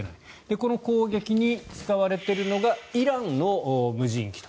この攻撃に使われているのがイランの無人機と。